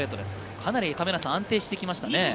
かなり安定してきましたね。